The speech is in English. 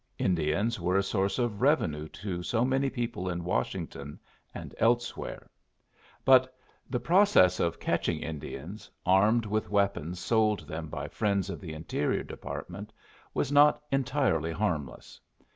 Indians were a source of revenue to so many people in Washington and elsewhere. But the process of catching Indians, armed with weapons sold them by friends of the Interior Department, was not entirely harmless.